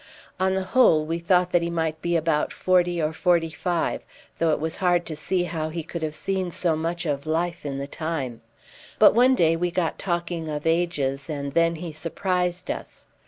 On the whole we thought that he might be about forty or forty five, though it was hard to see how he could have seen so much of life in the time. But one day we got talking of ages, and then he surprised us.